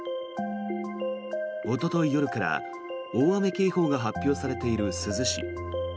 おととい夜から大雨警報が発表されている珠洲市。